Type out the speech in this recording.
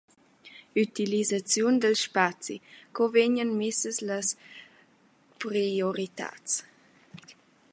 Ütilisaziun dal spazi: Co vegnan missas las prioritats?